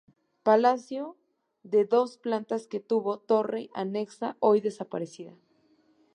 Palacio de dos plantas que tuvo torre anexa hoy desaparecida.